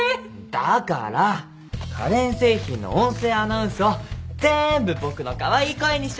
だから家電製品の音声アナウンスをぜんぶ僕のカワイイ声にしちゃうんです。